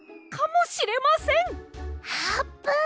あーぷん！